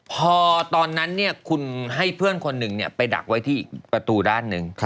พอตอนนั้นคุณให้เพื่อนคนหนึ่งไปดักไว้ที่อีกประตูด้านหนึ่ง